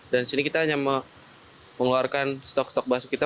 dan disini kita hanya mengeluarkan stok stok basuh kita